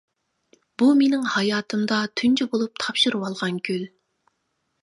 بۇ مېنىڭ ھاياتىمدا تۇنجى بولۇپ تاپشۇرۇۋالغان گۈل.